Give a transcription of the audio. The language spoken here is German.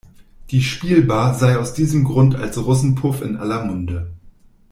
Die Spielbar sei aus diesem Grunde als Russenpuff in aller Munde.